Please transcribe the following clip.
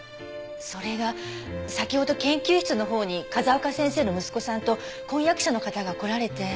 それが先ほど研究室のほうに風丘先生の息子さんと婚約者の方が来られて。